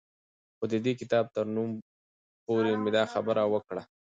خو د دې کتاب تر نوم پورې مې دا خبره وکړه